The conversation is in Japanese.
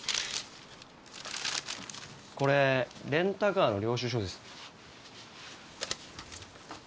これレンタカーの領収書です。